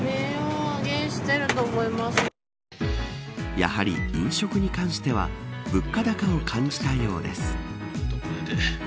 やはり飲食に関しては物価高を感じたようです。